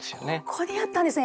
ここにあったんですね。